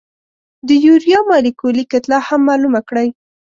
د یوریا مالیکولي کتله هم معلومه کړئ.